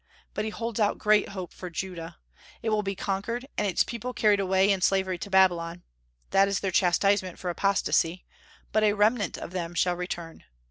But he holds out great hope for Judah. It will be conquered, and its people carried away in slavery to Babylon, that is their chastisement for apostasy; but a remnant of them shall return.